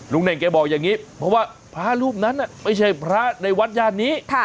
ลุงเน่งแกบอกอย่างงี้เพราะว่าพระรูปนั้นน่ะไม่ใช่พระในวัดญาตินี้ค่ะ